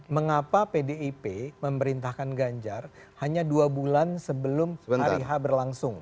mengapa pdip memerintahkan ganjar hanya dua bulan sebelum hari h berlangsung